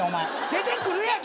出てくるやんけ。